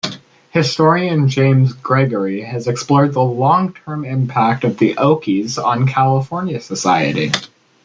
Historian James Gregory has explored the long-term impact of the Okies on California society.